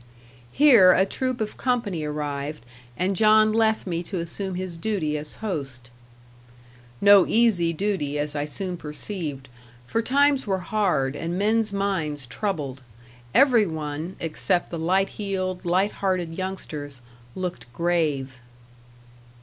Here a troop of company arrived, and John left me to assume his duty as host. No easy duty, as I soon perceived; for times were hard, and men's minds troubled. Every one, except the light heeled, light hearted youngsters, looked grave.